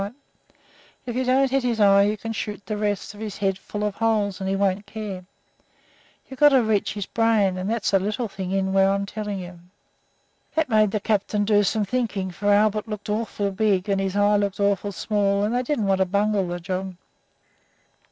But if you don't hit his eye you can shoot the rest of his head full of holes, and he won't care. You've got to reach his brain, and that's a little thing in where I'm telling you.' "This made the captain do some thinking, for Albert looked awful big and his eye looked awful small, and they didn't want to bungle the job.